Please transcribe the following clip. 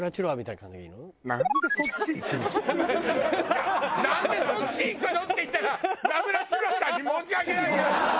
「なんでそっちいくの？」って言ったらナブラチロワさんに申し訳ないけど！